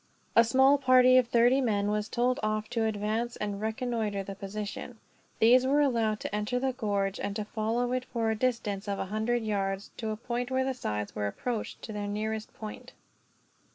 A small party, of thirty men, was told off to advance and reconnoiter the position. These were allowed to enter the gorge, and to follow it for a distance of a hundred yards, to a point where the sides were approached to their nearest point.